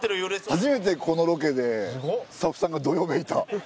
初めて、このロケでスタッフさんが、どよめいた。